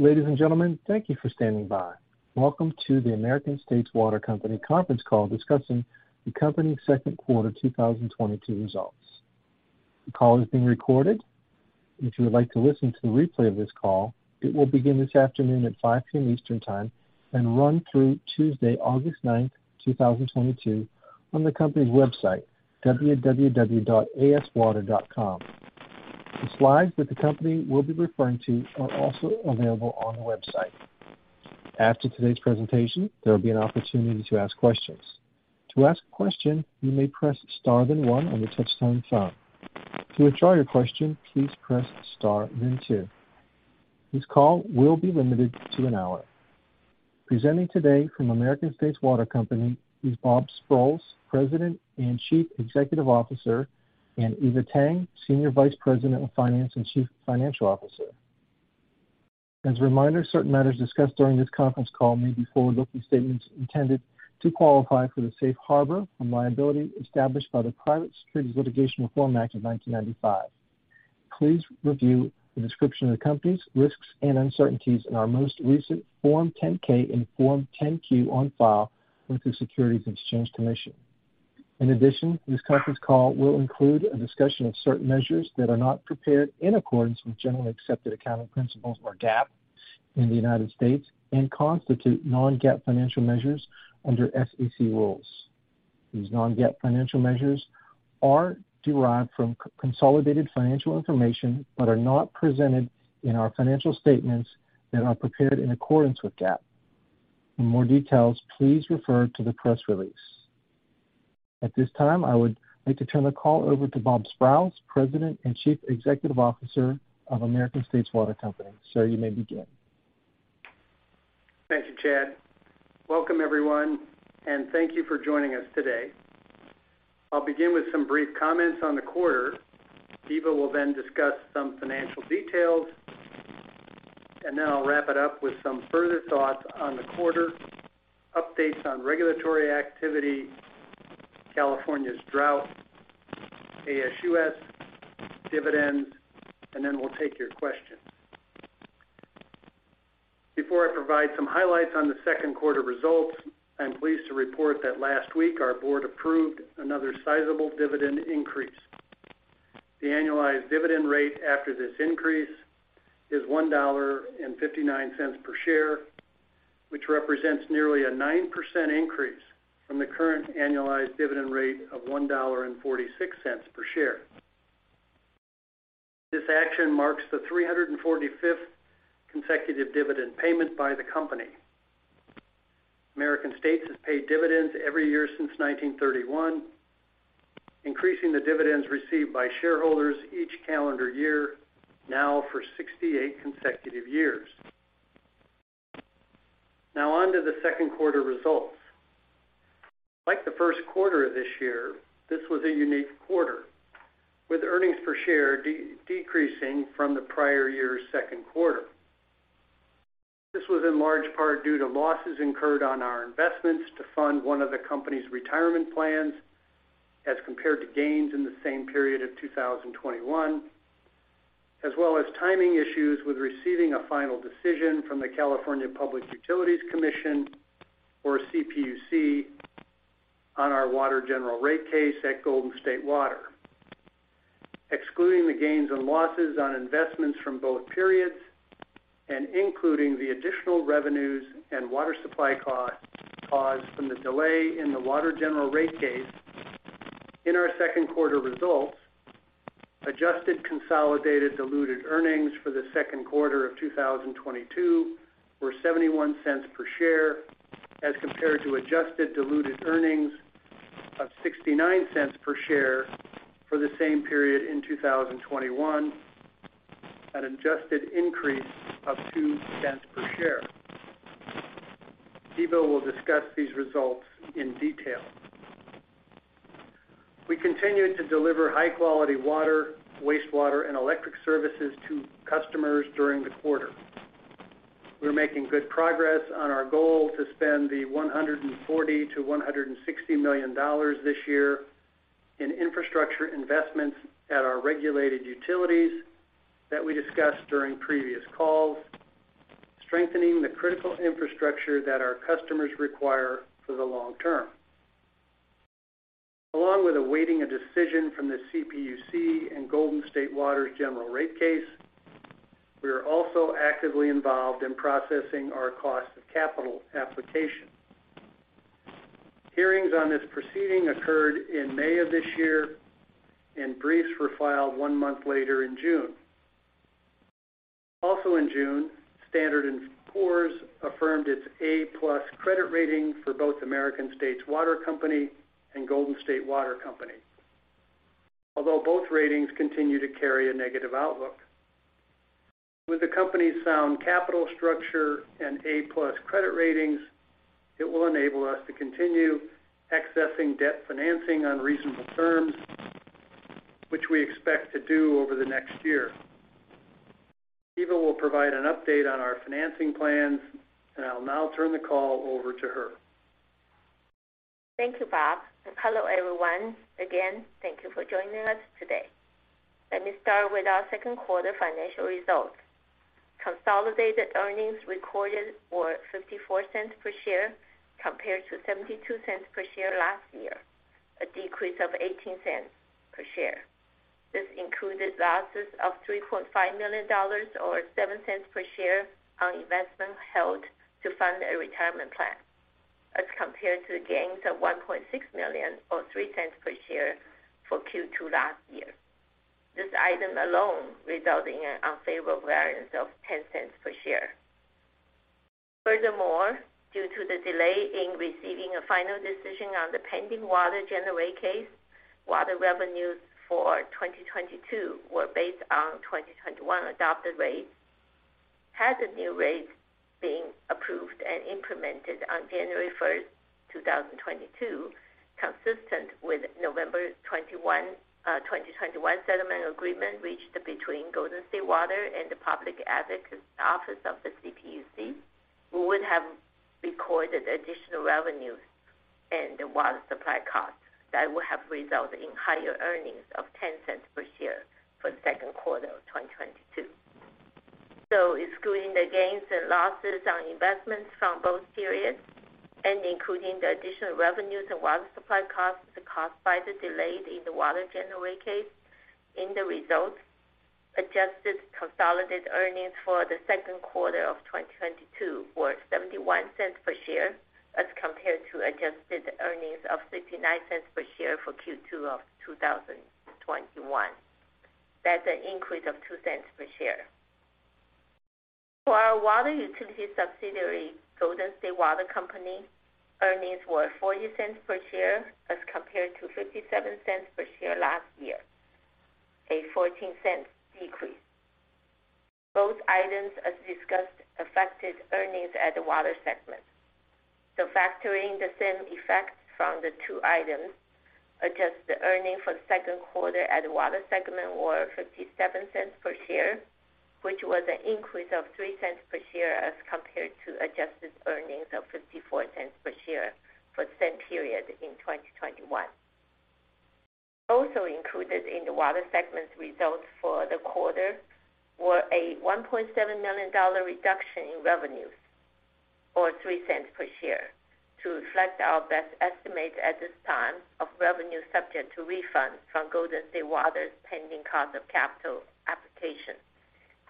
Ladies and gentlemen, thank you for standing by. Welcome to the American States Water Company conference call discussing the company's Q2 2022 results. The call is being recorded. If you would like to listen to the replay of this call, it will begin this afternoon at 5 P.M. Eastern Time and run through Tuesday, August 9, 2022 on the company's website, www.aswater.com. The slides that the company will be referring to are also available on the website. After today's presentation, there'll be an opportunity to ask questions. To ask a question, you may press Star then one on your touch-tone phone. To withdraw your question, please press Star then two. This call will be limited to an hour. Presenting today from American States Water Company is Robert J. Sprowls, President and Chief Executive Officer and Eva G. Tang, Senior Vice President of Finance and Chief Financial Officer. As a reminder, certain matters discussed during this conference call may be forward-looking statements intended to qualify for the safe harbor from liability established by the Private Securities Litigation Reform Act of 1995. Please review the description of the company's risks and uncertainties in our most recent Form 10-K and Form 10-Q on file with the Securities and Exchange Commission. In addition, this conference call will include a discussion of certain measures that are not prepared in accordance with generally accepted accounting principles or GAAP in the United States and constitute non-GAAP financial measures under SEC rules. These non-GAAP financial measures are derived from consolidated financial information, but are not presented in our financial statements that are prepared in accordance with GAAP. For more details, please refer to the press release. At this time, I would like to turn the call over to Rob Sprowls, President and Chief Executive Officer of American States Water Company. Sir, you may begin. Thank you, Chad. Welcome, everyone, and thank you for joining us today. I'll begin with some brief comments on the quarter. Eva will then discuss some financial details, and then I'll wrap it up with some further thoughts on the quarter, updates on regulatory activity California's drought, ASUS, dividends, and then we'll take your questions. Before I provide some highlights on the second quarter results, I'm pleased to report that last week our board approved another sizable dividend increase. The annualized dividend rate after this increase is $1.59 per share, which represents nearly a 9% increase from the current annualized dividend rate of $1.46 per share. This action marks the 345th consecutive dividend payment by the company. American States has paid dividends every year since 1931, increasing the dividends received by shareholders each calendar year now for 68 consecutive years. Now on to the second quarter results. Like the first quarter of this year, this was a unique quarter, with earnings per share decreasing from the prior year's second quarter. This was in large part due to losses incurred on our investments to fund one of the company's retirement plans as compared to gains in the same period of 2021, as well as timing issues with receiving a final decision from the California Public Utilities Commission, or CPUC on our water general rate case at Golden State Water. Excluding the gains and losses on investments from both periods and including the additional revenues and water supply costs caused from the delay in the water general rate case in our second quarter results, adjusted consolidated diluted earnings for the second quarter of 2022 were $0.71 per share, as compared to adjusted diluted earnings of $0.69 per share for the same period in 2021, an adjusted increase of $0.02 per share. Eva will discuss these results in detail. We continued to deliver high-quality water, wastewater, and electric services to customers during the quarter. We're making good progress on our goal to spend $140 million-$160 million this year in infrastructure investments at our regulated utilities that we discussed during previous calls, strengthening the critical infrastructure that our customers require for the long term. Along with awaiting a decision from the CPUC and Golden State Water's general rate case, we are also actively involved in processing our cost of capital application. Hearings on this proceeding occurred in May of this year, and briefs were filed one month later in June. Also in June, Standard & Poor's affirmed its A+ credit rating for both American States Water Company and Golden State Water Company. Although both ratings continue to carry a negative outlook. With the company's sound capital structure and A+ credit ratings, it will enable us to continue accessing debt financing on reasonable terms, which we expect to do over the next year. Eva will provide an update on our financing plans, and I'll now turn the call over to her. Thank you, Bob. Hello everyone! Again, thank you for joining us today. Let me start with our second quarter financial results. Consolidated earnings recorded were $0.54 per share compared to $0.72 per share last year, a decrease of $0.18 per share. This included losses of $3.5 million or $0.07 per share on investment held to fund a retirement plan, as compared to the gains of $1.6 million or $0.03 per share for Q2 last year. This item alone resulting in unfavorable variance of $0.10 per share. Furthermore, due to the delay in receiving a final decision on the pending water general rate case, water revenues for 2022 were based on 2021 adopted rates. Had the new rates been approved and implemented on January 1, 2022 consistent with November 21, 2021 settlement agreement reached between Golden State Water and the Public Advocates Office of the CPUC. We would have recorded additional revenues and the water supply costs that would have resulted in higher earnings of 10 cents per share for the second quarter of 2022. Excluding the gains and losses on investments from both periods and including the additional revenues and water supply costs caused by the delays in the water GRC, in the results, adjusted consolidated earnings for the second quarter of 2022 were 71 cents per share as compared to adjusted earnings of 59 cents per share for Q2 of 2021. That's an increase of 2 cents per share. For our water utility subsidiary, Golden State Water Company, earnings were $0.40 per share as compared to $0.57 per share last year, a $0.14 decrease. Both items as discussed affected earnings at the water segment. Factoring the same effect from the two items, adjusted earnings for the second quarter at the water segment were $0.57 per share, which was an increase of $0.03 per share as compared to adjusted earnings of $0.54 per share for the same period in 2021. Also included in the water segment results for the quarter were a $1.7 million reduction in revenues or $0.03 per share to reflect our best estimate at this time of revenue subject to refunds from Golden State Water's pending cost of capital application,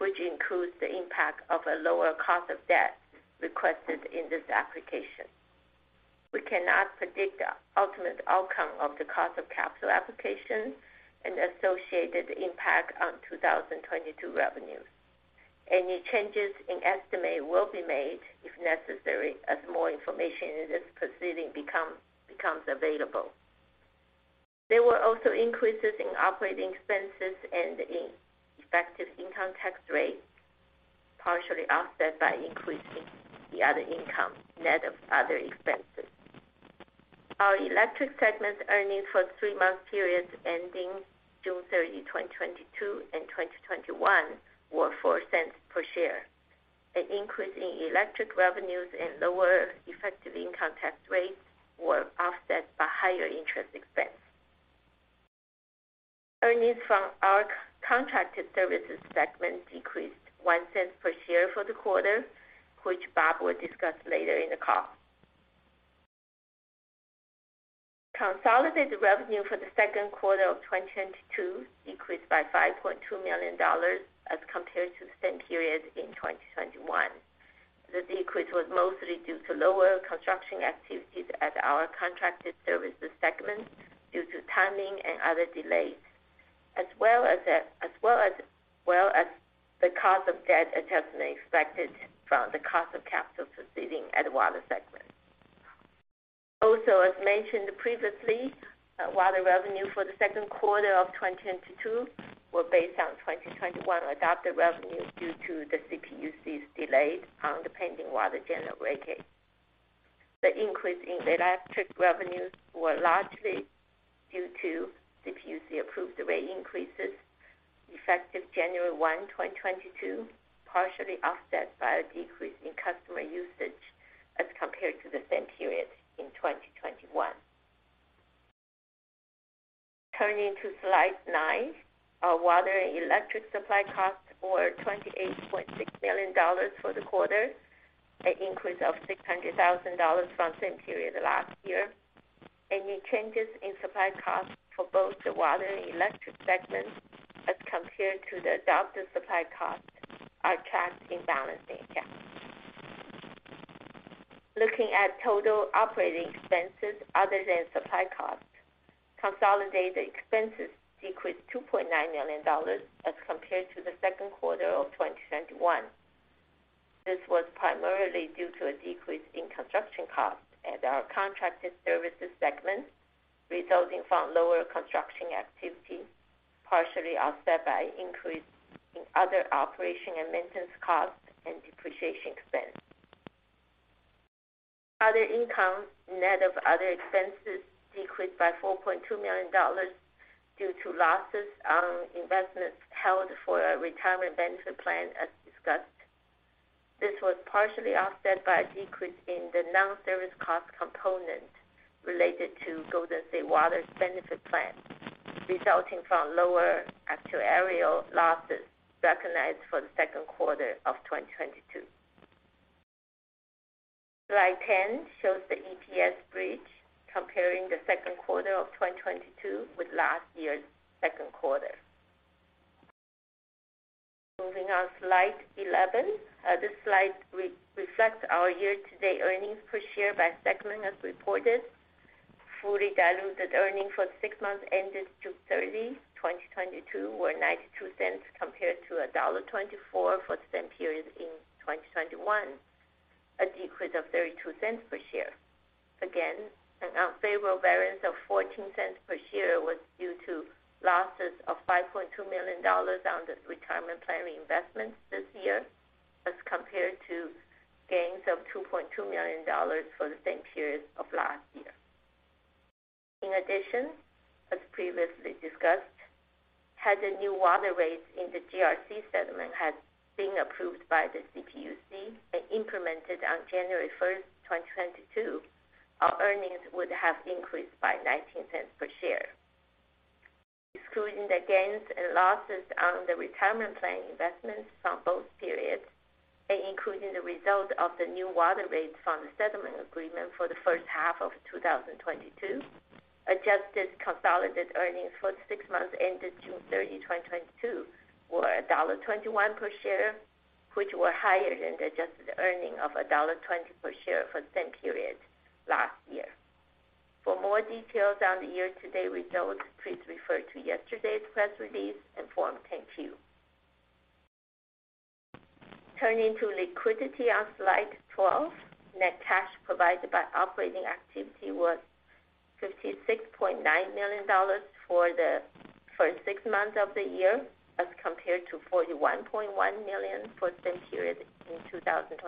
which includes the impact of a lower cost of debt requested in this application. We cannot predict the ultimate outcome of the cost of capital application and associated impact on 2022 revenues. Any changes in estimate will be made if necessary, as more information in this proceeding becomes available. There were also increases in operating expenses and in effective income tax rate, partially offset by increasing the other income net of other expenses. Our electric segment earnings for three-month periods ending June 30, 2022 and 2021 were $0.04 per share. An increase in electric revenues and lower effective income tax rates we're offset by higher interest expense. Earnings from our contracted services segment decreased $0.01 per share for the quarter, which Bob will discuss later in the call. Consolidated revenue for the second quarter of 2022 decreased by $5.2 million as compared to the same period in 2021. The decrease was mostly due to lower construction activities at our contracted services segment due to timing and other delays, as well as the cost of debt adjustment expected from the cost of capital proceeding at the water segment. Also, as mentioned previously, water revenue for the second quarter of 2022 were based on 2021 adopted revenue due to the CPUC's delay on the pending water general rate case. The increase in the electric revenues we're largely due to CPUC-approved rate increases effective January 1, 2022, partially offset by a decrease in customer usage as compared to the same period in 2021. Turning to slide 9. Our water and electric supply costs were $28.6 million for the quarter, an increase of $600,000 from same period last year. Any changes in supply costs for both the water and electric segments as compared to the adopted supply costs are tracked in balancing accounts. Looking at total operating expenses other than supply costs, consolidated expenses decreased $2.9 million as compared to the second quarter of 2021. This was primarily due to a decrease in construction costs at our contracted services segment, resulting from lower construction activity, partially offset by increase in other operations and maintenance costs and depreciation expense. Other income net of other expenses decreased by $4.2 million due to losses on investments held for our retirement benefit plan, as discussed. This was partially offset by a decrease in the non-service cost component related to Golden State Water's benefit plan, resulting from lower actuarial losses recognized for the second quarter of 2022. Slide 10 shows the EPS bridge comparing the second quarter of 2022 with last year's second quarter. Moving on to slide 11. This slide reflects our year-to-date earnings per share by segment as reported. Fully diluted earnings for the six months ended June 30, 2022, were $0.92 compared to $1.24 for the same period in 2021, a decrease of $0.32 per share. Again, an unfavorable variance of $0.14 per share was due to losses of $5.2 million on its retirement plan investments this year, as compared to gains of $2.2 million for the same period of last year. In addition, as previously discussed, had the new water rates in the GRC settlement had been approved by the CPUC and implemented on January 1, 2022, our earnings would have increased by $0.19 per share. Excluding the gains and losses on the retirement plan investments from both periods and including the result of the new water rates from the settlement agreement for the first half of 2022, adjusted consolidated earnings for the six months ended June 30, 2022 were $1.21 per share, which were higher than the adjusted earnings of $1.20 per share for the same period last year. For more details on the year-to-date results, please refer to yesterday's press release and Form 10-Q. Turning to liquidity on slide 12. Net cash provided by operating activities was $56.9 million for the first six months of the year, as compared to $41.1 million for the same period in 2021.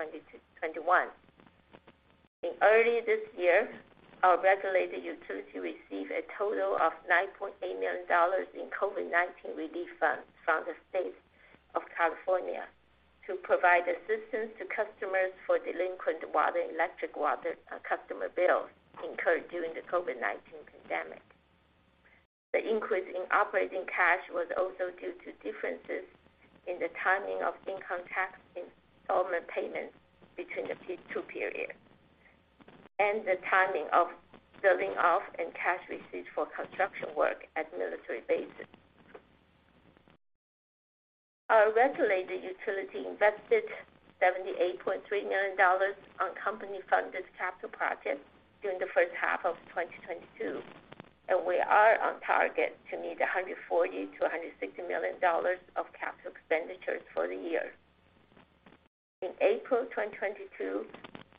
In early this year, our regulated utility received a total of $9.8 million in COVID-19 relief funds from the state of California to provide assistance to customers for delinquent water and electric and water customer bills incurred during the COVID-19 pandemic. The increase in operating cash was also due to differences in the timing of income tax installment payments between the two periods and the timing of billing offset and cash receipts for construction work at military bases. Our regulated utility invested $78.3 million on company-funded capital projects during the first half of 2022, and we are on target to meet $140 million-$160 million of capital expenditures for the year. In April 2022,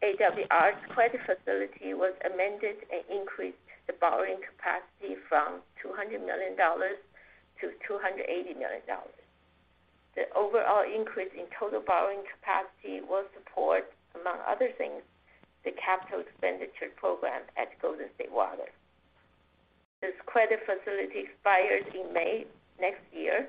AWR's credit facility was amended and increased the borrowing capacity from $200 million to $280 million. The overall increase in total borrowing capacity will support, among other things, the capital expenditure program at Golden State Water. This credit facility expires in May next year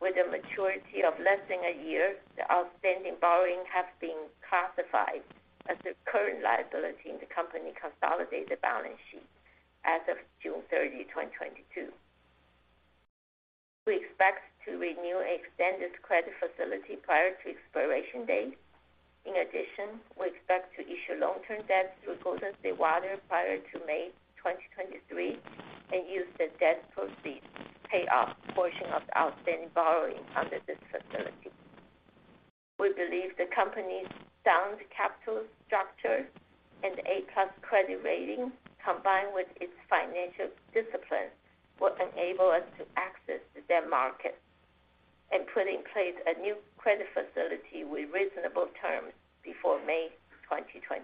with a maturity of less than a year. The outstanding borrowing has been classified as a current liability in the company's consolidated balance sheet as of June 30, 2022. We expect to renew an extended credit facility prior to expiration date. In addition, we expect to issue long-term debts through Golden State Water prior to May 2023 and use the debt proceeds to pay off a portion of the outstanding borrowing under this facility. We believe the company's sound capital structure and A-plus credit rating, combined with its financial discipline, will enable us to access the debt market and put in place a new credit facility with reasonable terms before May 2023.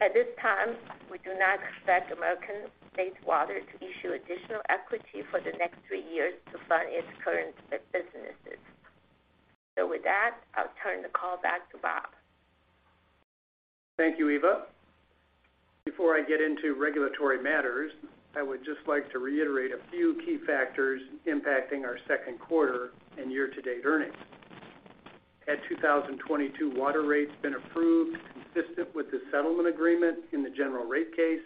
At this time, we do not expect American States Water to issue additional equity for the next three years to fund its current businesses. With that, I'll turn the call back to Bob. Thank you, Eva. Before I get into regulatory matters, I would just like to reiterate a few key factors impacting our second quarter and year-to-date earnings. Had 2022 water rates been approved consistent with the settlement agreement in the general rate case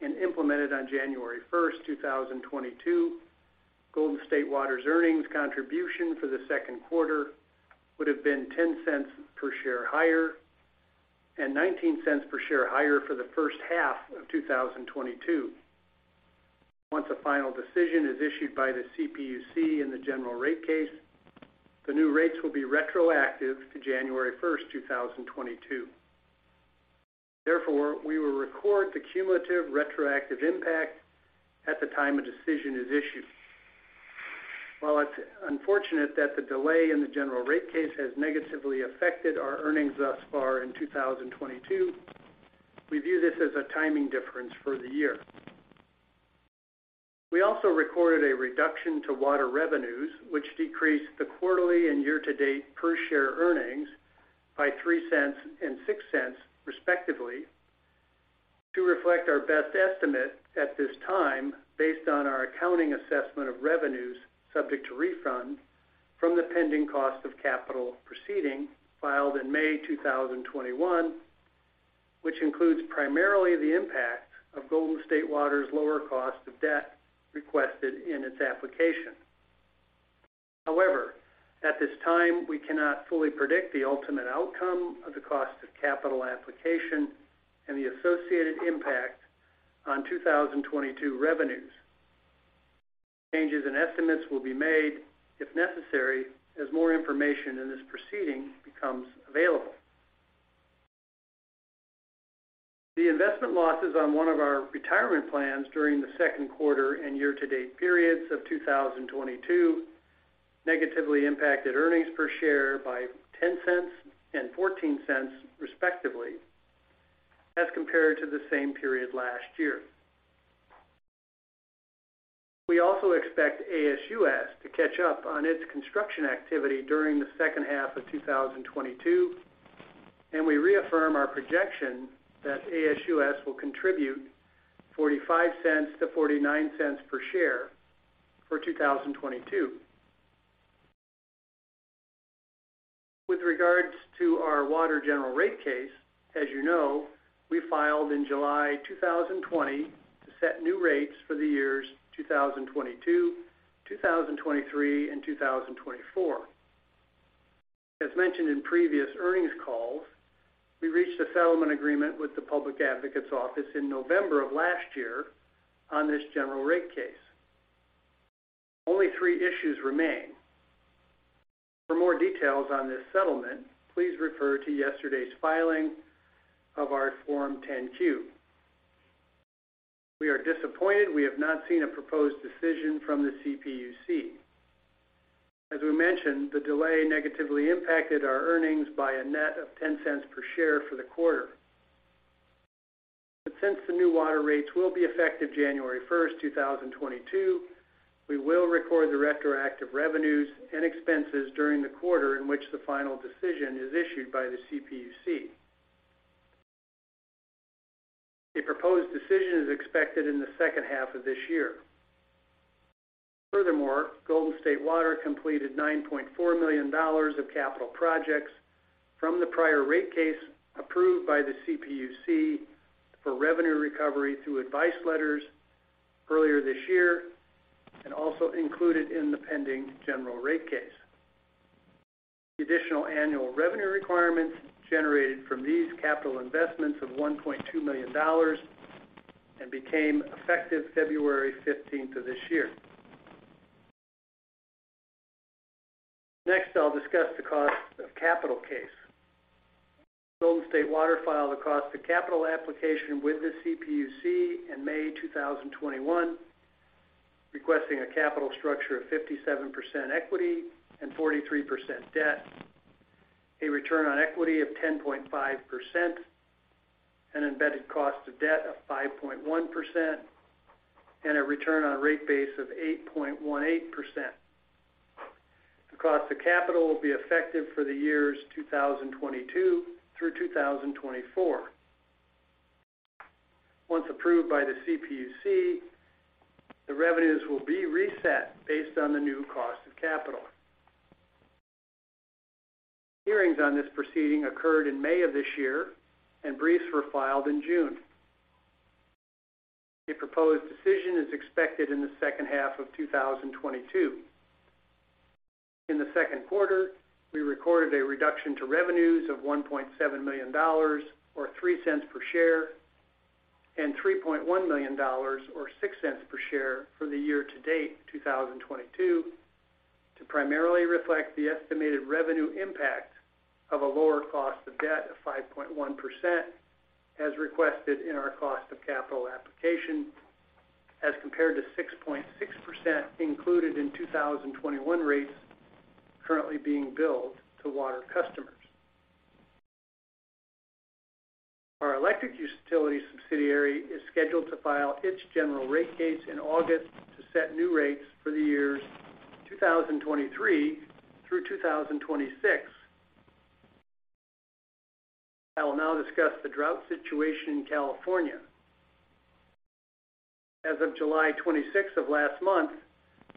and implemented on January 1, 2022, Golden State Water's earnings contribution for the second quarter would have been $0.10 per share higher and $0.19 per share higher for the first half of 2022. Once a final decision is issued by the CPUC in the general rate case, the new rates will be retroactive to January 1, 2022. Therefore, we will record the cumulative retroactive impact at the time a decision is issued. While it's unfortunate that the delay in the general rate case has negatively affected our earnings thus far in 2022, we view this as a timing difference for the year. We also recorded a reduction to water revenues, which decreased the quarterly and year-to-date per share earnings by $0.03 and $0.06, respectively. To reflect our best estimate at this time based on our accounting assessment of revenues subject to refund from the pending cost of capital proceeding filed in May 2021, which includes primarily the impact of Golden State Water's lower cost of debt requested in its application. However, at this time, we cannot fully predict the ultimate outcome of the cost of capital application and the associated impact on 2022 revenues. Changes in estimates will be made if necessary as more information in this proceeding becomes available. The investment losses on one of our retirement plans during the second quarter and year-to-date periods of 2022 negatively impacted earnings per share by $0.10 and $0.14 respectively as compared to the same period last year. We also expect ASUS to catch up on its construction activity during the second half of 2022, and we reaffirm our projection that ASUS will contribute $0.45-$0.49 per share for 2022. With regards to our water general rate case, as you know, we filed in July 2020 to set new rates for the years 2022, 2023, and 2024. As mentioned in previous earnings calls, we reached a settlement agreement with the Public Advocates Office in November of last year on this general rate case. Only three issues remain. For more details on this settlement, please refer to yesterday's filing of our Form 10-Q. We are disappointed we have not seen a proposed decision from the CPUC. As we mentioned, the delay negatively impacted our earnings by a net of $0.10 per share for the quarter. Since the new water rates will be effective January 1, 2022, we will record the retroactive revenues and expenses during the quarter in which the final decision is issued by the CPUC. A proposed decision is expected in the second half of this year. Furthermore, Golden State Water completed $9.4 million of capital projects from the prior rate case approved by the CPUC for revenue recovery through advice letters earlier this year and also included in the pending general rate case. The additional annual revenue requirements generated from these capital investments of $1.2 million and became effective February fifteenth of this year. Next, I'll discuss the cost of capital case. Golden State Water filed a cost of capital application with the CPUC in May 2021, requesting a capital structure of 57% equity and 43% debt, a return on equity of 10.5%, an embedded cost of debt of 5.1%, and a return on rate base of 8.18%. The cost of capital will be effective for the years 2022 through 2024. Once approved by the CPUC, the revenues will be reset based on the new cost of capital. Hearings on this proceeding occurred in May of this year, and briefs were filed in June. A proposed decision is expected in the second half of 2022. In the second quarter, we recorded a reduction to revenues of $1.7 million, or $0.03 per share, and $3.1 million, or $0.06 per share, for the year-to-date 2022 to primarily reflect the estimated revenue impact of a lower cost of debt of 5.1% as requested in our cost of capital application as compared to 6.6% included in 2021 rates currently being billed to water customers. Our electric utility subsidiary is scheduled to file its general rate case in August to set new rates for the years 2023 through 2026. I will now discuss the drought situation in California. As of July 26th of last month,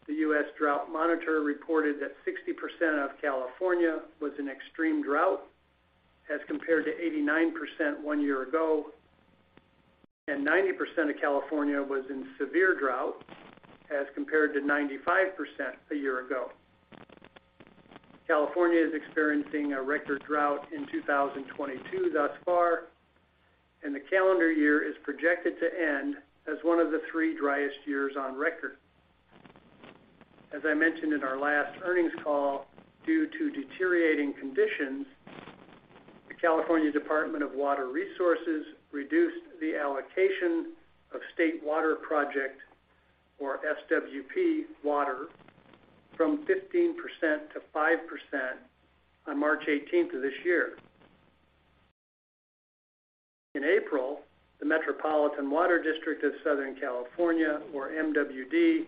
the U.S. Drought Monitor reported that 60% of California was in extreme drought as compared to 89% one year ago, and 90% of California was in severe drought as compared to 95% a year ago. California is experiencing a record drought in 2022 thus far, and the calendar year is projected to end as one of the three driest years on record. As I mentioned in our last earnings call, due to deteriorating conditions, the California Department of Water Resources reduced the allocation of State Water Project or SWP water from 15% to 5% on March 18th of this year. In April, the Metropolitan Water District of Southern California, or MWD,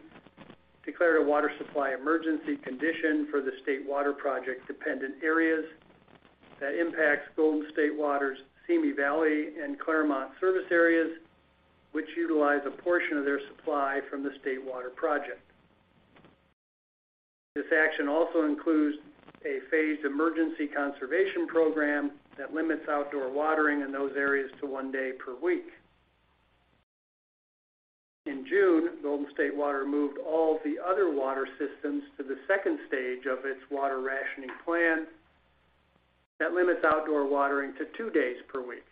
declared a water supply emergency condition for the State Water Project dependent areas that impacts Golden State Water's, Simi Valley, and Claremont service areas, which utilize a portion of their supply from the State Water Project. This action also includes a phased emergency conservation program that limits outdoor watering in those areas to one day per week. In June, Golden State Water moved all the other water systems to the second stage of its water rationing plan that limits outdoor watering to two days per week.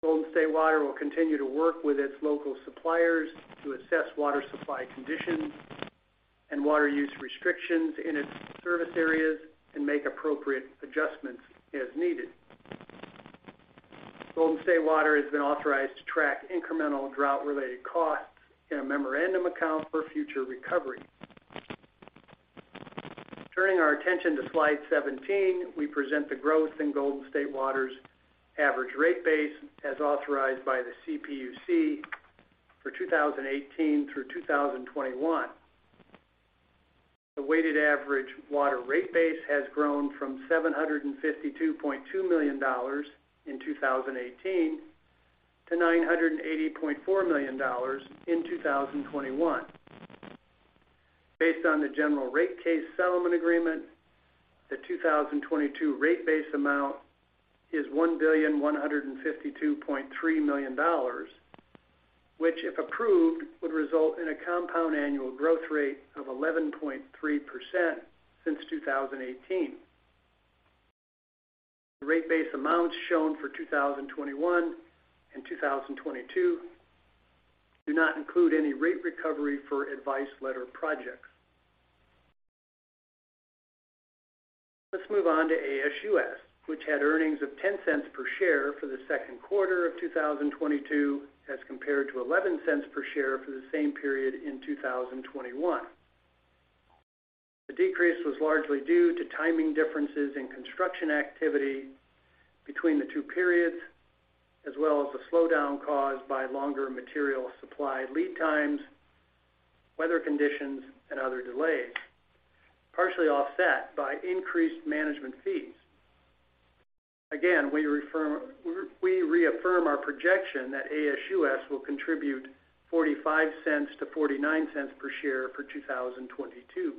Golden State Water will continue to work with its local suppliers to assess water supply conditions and water use restrictions in its service areas and make appropriate adjustments as needed. Golden State Water has been authorized to track incremental drought-related costs in a memorandum account for future recovery. Turning our attention to slide 17, we present the growth in Golden State Water's average rate base as authorized by the CPUC for 2018 through 2021. The weighted average water rate base has grown from $752.2 million in 2018 to $980.4 million in 2021. Based on the general rate case settlement agreement, the 2022 rate base amount is $1,152.3 million, which, if approved, would result in a compound annual growth rate of 11.3% since 2018. The rate base amounts shown for 2021 and 2022 do not include any rate recovery for advice letter projects. Let's move on to ASUS, which had earnings of $0.10 per share for the second quarter of 2022, as compared to $0.11 per share for the same period in 2021. The decrease was largely due to timing differences in construction activity between the two periods, as well as the slowdown caused by longer material supply lead times, weather conditions, and other delays, partially offset by increased management fees. Again, we reaffirm our projection that ASUS will contribute $0.45-$0.49 per share for 2022.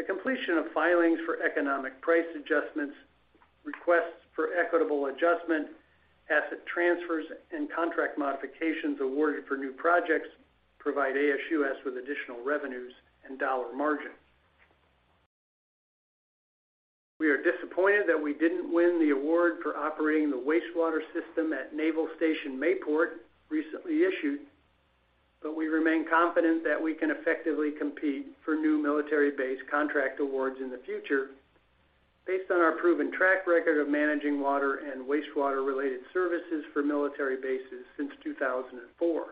The completion of filings for economic price adjustments, requests for equitable adjustment, asset transfers, and contract modifications awarded for new projects provide ASUS with additional revenues and dollar margins. We are disappointed that we didn't win the award for operating the wastewater system at Naval Station Mayport recently issued, but we remain confident that we can effectively compete for new military-based contract awards in the future based on our proven track record of managing water and wastewater-related services for military bases since 2004.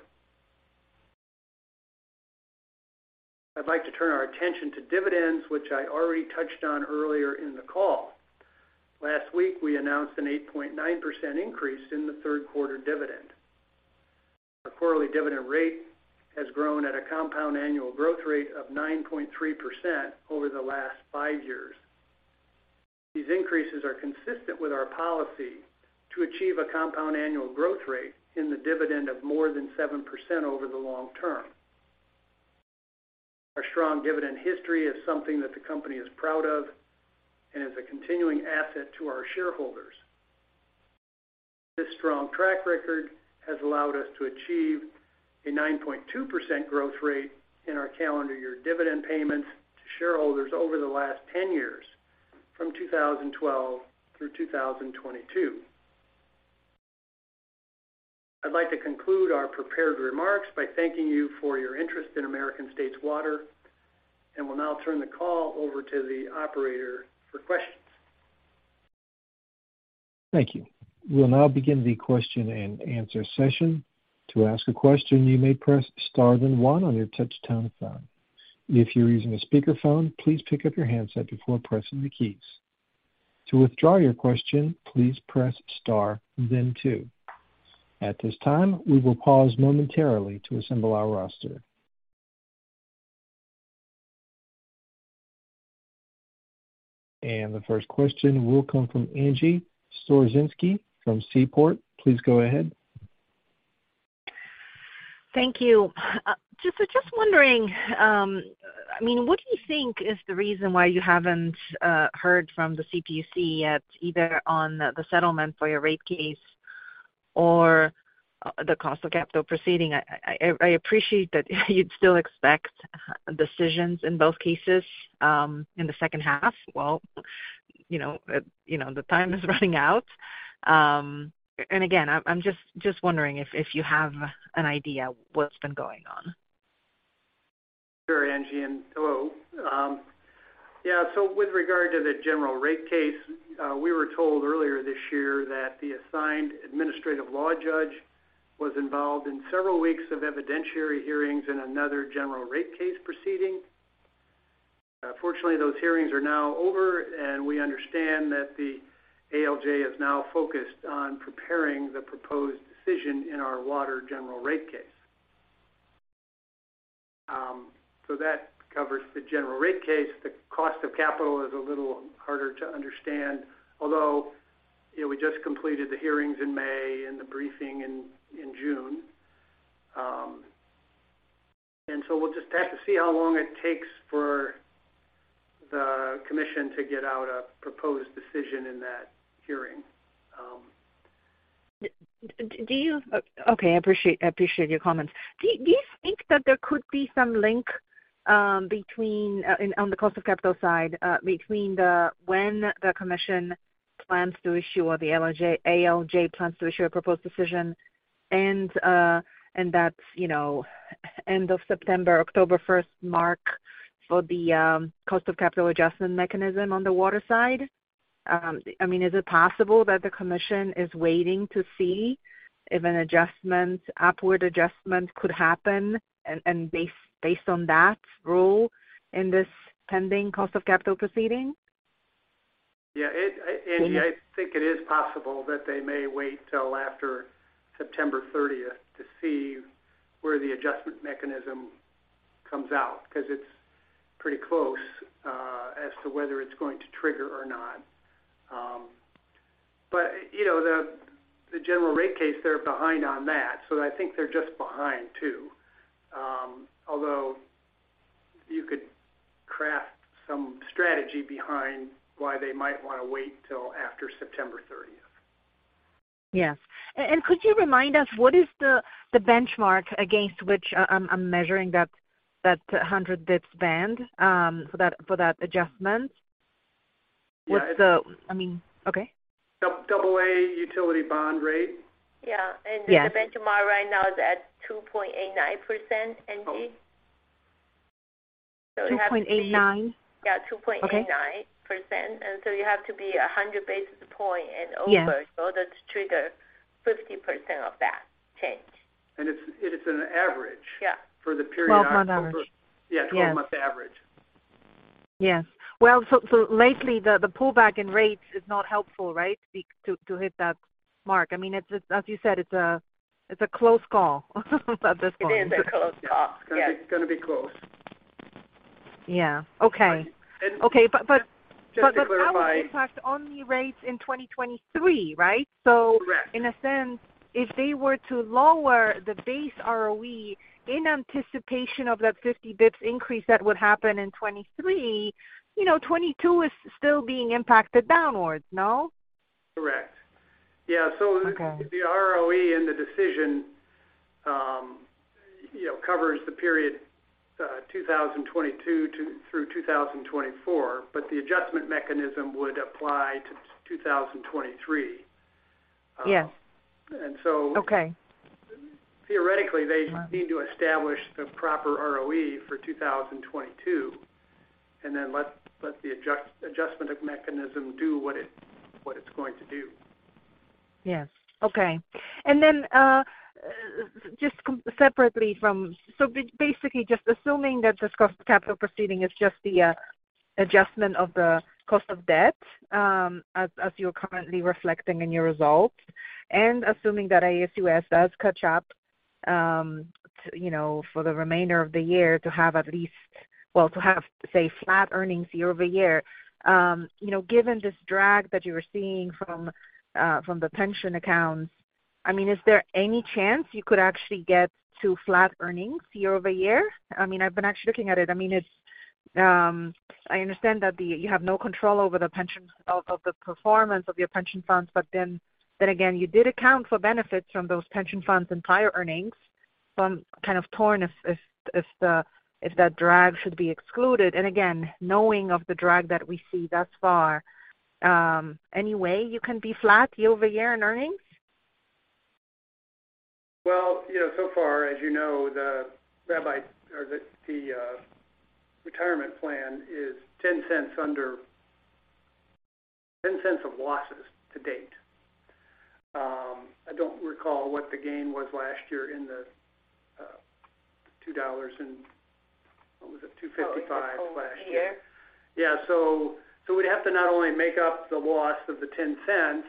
I'd like to turn our attention to dividends, which I already touched on earlier in the call. Last week, we announced an 8.9% increase in the third quarter dividend. Our quarterly dividend rate has grown at a compound annual growth rate of 9.3% over the last five years. These increases are consistent with our policy to achieve a compound annual growth rate in the dividend of more than 7% over the long term. Our strong dividend history is something that the company is proud of and is a continuing asset to our shareholders. This strong track record has allowed us to achieve a 9.2% growth rate in our calendar year dividend payments to shareholders over the last 10 years, from 2012 through 2022. I'd like to conclude our prepared remarks by thanking you for your interest in American States Water, and will now turn the call over to the operator for questions. Thank you. We'll now begin the question-and-answer session. To ask a question, you may press star then one on your touchtone phone. If you're using a speakerphone, please pick up your handset before pressing the keys. To withdraw your question, please press star then two. At this time, we will pause momentarily to assemble our roster. The first question will come from Angie Storozynski from Seaport. Please go ahead. Thank you. Just wondering, I mean, what do you think is the reason why you haven't heard from the CPUC yet, either on the settlement for your rate case or the cost of capital proceeding? I appreciate that you'd still expect decisions in both cases, in the second half. Well, you know, the time is running out. Again, I'm just wondering if you have an idea what's been going on. Sure, Angie and Hello. With regard to the general rate case, we were told earlier this year that the assigned administrative law judge was involved in several weeks of evidentiary hearings in another general rate case proceeding. Fortunately, those hearings are now over, and we understand that the ALJ is now focused on preparing the proposed decision in our water general rate case. That covers the general rate case. The cost of capital is a little harder to understand, although, you know, we just completed the hearings in May and the briefing in June. We'll just have to see how long it takes for the commission to get out a proposed decision in that hearing. I appreciate your comments. Do you think that there could be some link between, on the cost of capital side, between when the commission plans to issue or the ALJ plans to issue a proposed decision and that's, you know, end of September, October first mark for the cost of capital adjustment mechanism on the water side? I mean, is it possible that the commission is waiting to see if an adjustment, upward adjustment could happen and based on that rule in this pending cost of capital proceeding? Yeah. It, Angie, I think it is possible that they may wait till after September 13th to see where the adjustment mechanism comes out, cause it's pretty close as to whether it's going to trigger or not. You know, the general rate case, they're behind on that, so I think they're just behind too. Although you could craft some strategy behind why they might wanna wait till after September 13th. Yes. Could you remind us what is the benchmark against which I'm measuring that 100 basis points band for that adjustment? Yeah. I mean, okay. AA utility bond rate. Yeah. Yeah. The benchmark right now is at 2.89%, Angie. You have to be- 2.89? Yeah, 2.89%. Okay. You have to be 100 basis point and over- Yeah In order to trigger 50% of that change. It is an average. Yeah. For the period. 12-month average. Yeah, 12-month average. Yes. Well, lately the pullback in rates is not helpful, right? To hit that mark. I mean, it's as you said, it's a close call at this point. It is a close call. Yeah. Yes. It's gonna be close. Yeah. Okay. And- Okay. Just to clarify. Power impact only rates in 2023, right? Correct. In a sense, if they were to lower the base ROE in anticipation of that 50 basis points increase that would happen in 2023, you know, 2022 is still being impacted downwards, no? Correct. Yeah. Okay The ROE and the decision, you know, covers the period 2022 through 2024, but the adjustment mechanism would apply to 2023. Yes. And so- Okay Theoretically, they need to establish the proper ROE for 2022, and then let the adjustment mechanism do what it's going to do. Yes. Okay. Basically, just assuming that this cost of capital proceeding is just the adjustment of the cost of debt, as you're currently reflecting in your results, and assuming that ASUS does catch up to, you know, for the remainder of the year to have, say, flat earnings year-over-year. You know, given this drag that you were seeing from the pension accounts, I mean, is there any chance you could actually get to flat earnings year-over-year? I mean, I've been actually looking at it. I mean, it's, I understand that you have no control over the performance of your pension funds, but then again, you did account for benefits from those pension funds in prior earnings. I'm kind of torn if that drag should be excluded. Again, knowing of the drag that we see thus far, any way you can be flat year-over-year in earnings? Well, you know, so far, as you know, the Rabbi trust retirement plan is $0.10 under, $0.10 of losses to date. I don't recall what the gain was last year in the $2 and, what was it? $2.55 last year. The whole year. Yeah. We'd have to not only make up the loss of the $0.10,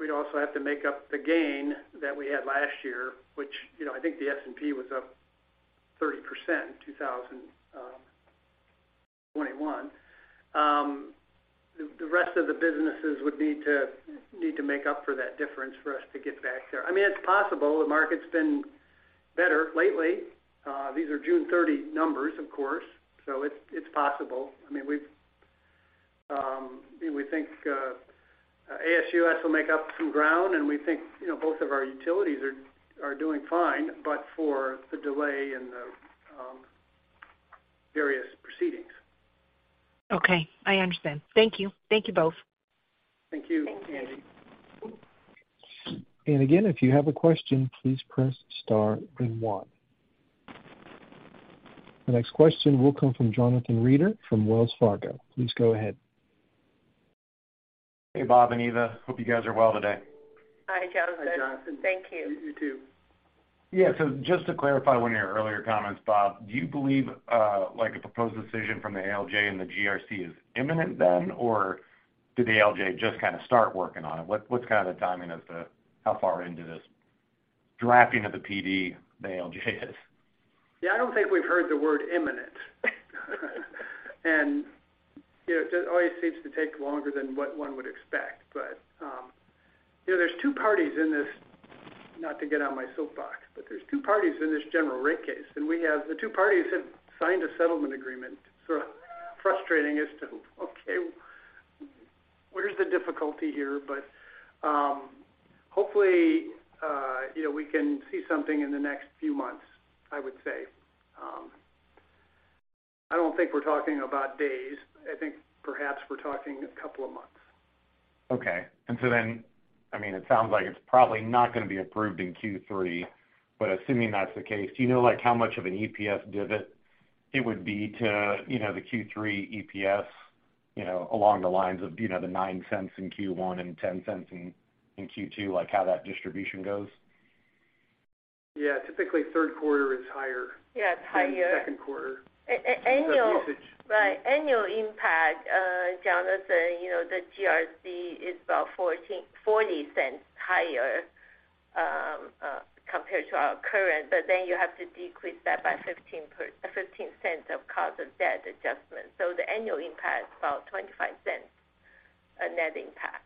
we'd also have to make up the gain that we had last year, which, you know, I think the S&P was up 30% in 2021. The rest of the businesses would need to make up for that difference for us to get back there. I mean, it's possible. The market's been better lately. These are June 30 numbers, of course. It's possible. I mean, we think ASUS will make up some ground, and we think, you know, both of our utilities are doing fine, but for the delay in the various proceedings. Okay. I understand. Thank you. Thank you both. Thank you, Angie. Again, if you have a question, please press star then one. The next question will come from Jonathan Reeder from Wells Fargo. Please go ahead. Hey, Bob and Eva. Hope you guys are well today. Hi, Jonathan. Hi, Jonathan. Thank you. You too. Yeah. Just to clarify one of your earlier comments, Bob, do you believe, like a proposed decision from the ALJ and the GRC is imminent then, or did the ALJ just kind of start working on it? What's kind of the timing of how far into this drafting of the PD the ALJ is? Yeah, I don't think we've heard the word imminent. You know, it always seems to take longer than what one would expect. You know, not to get on my soapbox, but there's two parties in this general rate case, and the two parties have signed a settlement agreement. Sort of frustrating as to, okay, where's the difficulty here? Hopefully, you know, we can see something in the next few months, I would say. I don't think we're talking about days. I think perhaps we're talking a couple of months. Okay. I mean, it sounds like it's probably not gonna be approved in Q3, but assuming that's the case, do you know, like how much of an EPS divot it would be to, you know, the Q3 EPS, you know, along the lines of, you know, the $0.09 in Q1 and $0.10 in Q2, like how that distribution goes? Yeah. Typically, third quarter is higher. Yeah, it's higher. than second quarter. A-a-annual- Usage. Right. Annual impact, Jonathan, you know, the GRC is about $0.40 higher compared to our current, but then you have to decrease that by $0.15 of cost of debt adjustment. The annual impact is about $0.25, a net impact.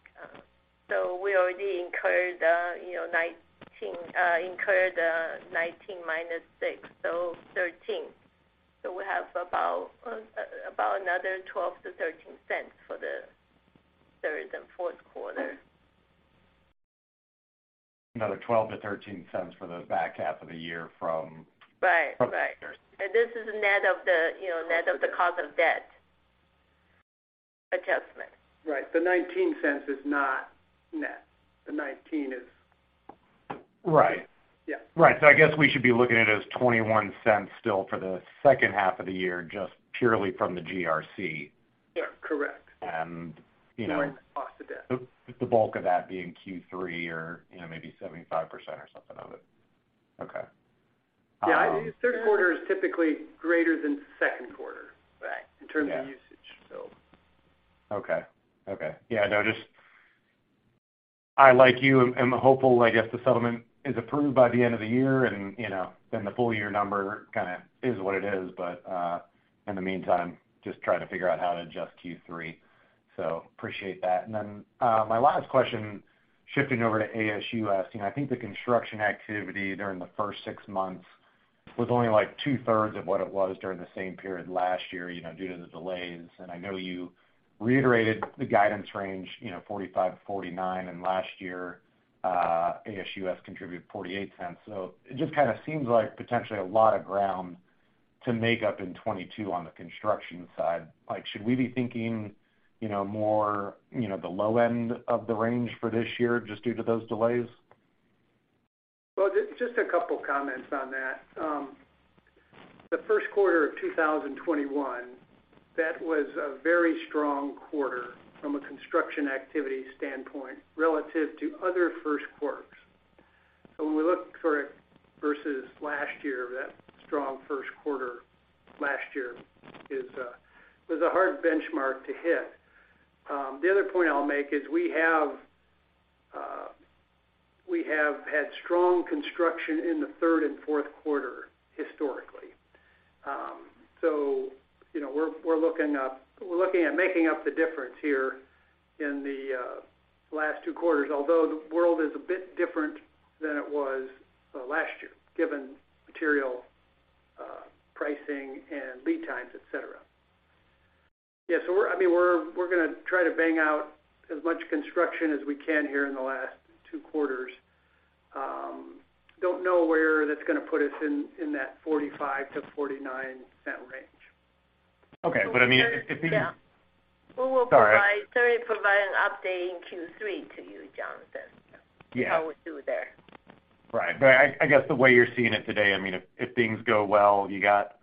We already incurred, you know, $0.19 minus $0.06, so $0.13. We have about another $0.12-$0.13 for the third and fourth quarter. Another $0.12-$0.13 for the back half of the year from Right. Right from GRC. This is, you know, net of the cost of debt adjustment. Right. The $0.19 is not net. The $0.19 is. Right. Yeah. Right. I guess we should be looking at it as $0.21 still for the second half of the year, just purely from the GRC. Yeah. Correct. You know. More than cost of debt. The bulk of that being Q3 or, you know, maybe 75% or something of it. Okay. Yeah. Third quarter is typically greater than second quarter. Right. In terms of usage, so. Okay. Yeah, no, just, like you, am hopeful, I guess, the settlement is approved by the end of the year and, you know, then the full year number kinda is what it is. In the meantime, just trying to figure out how to adjust Q3. Appreciate that. Then, my last question, shifting over to ASUS. You know, I think the construction activity during the first six months was only, like, two-thirds of what it was during the same period last year, you know, due to the delays. I know you reiterated the guidance range, you know, 45-49, and last year, ASUS contributed $0.48. It just kind of seems like potentially a lot of ground to make up in 2022 on the construction side. Like, should we be thinking, you know, more, you know, the low end of the range for this year just due to those delays? Well, just a couple comments on that. The first quarter of 2021, that was a very strong quarter from a construction activity standpoint relative to other first quarters. When we look forward versus last year, that strong first quarter last year was a hard benchmark to hit. The other point I'll make is we have had strong construction in the third and fourth quarter historically. You know, we're looking at making up the difference here in the last two quarters. Although the world is a bit different than it was last year, given material pricing and lead times, et cetera. I mean, we're gonna try to bang out as much construction as we can here in the last two quarters. Don't know where that's gonna put us in that $0.45-$0.49 range. Okay. I mean, if things. Yeah. Sorry. We will certainly provide an update in Q3 to you, Jonathan. Yeah. How we do there. Right. I guess the way you're seeing it today, I mean, if things go well, you got,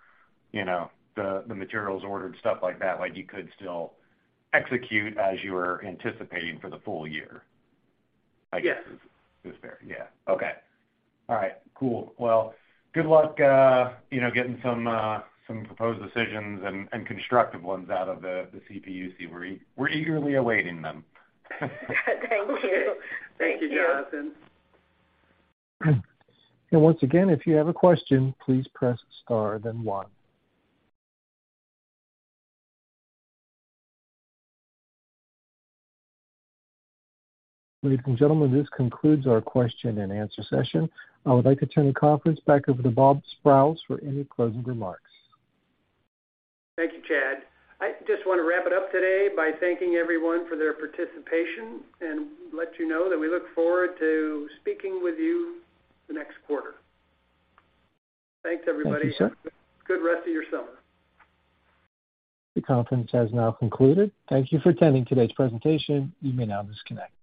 you know, the materials ordered, stuff like that, like you could still execute as you were anticipating for the full year. Yes. I guess is fair. Yeah. Okay. All right. Cool. Well, good luck, you know, getting some proposed decisions and constructive ones out of the CPUC. We're eagerly awaiting them. Thank you. Thank you. Thank you, Jonathan. Once again, if you have a question, please press star then one. Ladies and gentlemen, this concludes our question and answer session. I would like to turn the conference back over to Bob Sprowls for any closing remarks. Thank you, Chad. I just wanna wrap it up today by thanking everyone for their participation and let you know that we look forward to speaking with you the next quarter. Thanks, everybody. Thank you, sir. Have a good rest of your summer. The conference has now concluded. Thank you for attending today's presentation. You may now disconnect.